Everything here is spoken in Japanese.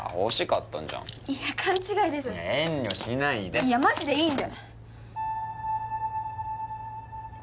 はいいやマジでいいんで！